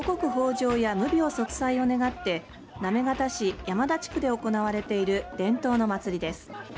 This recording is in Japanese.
じょうや無病息災を願って行方市山田地区で行われている伝統の祭りです。